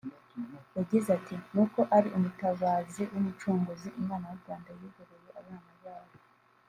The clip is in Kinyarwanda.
yagize ati “Ni uko ari umutabazi w’umucunguzi Imana y’u Rwanda yihereye abana bayo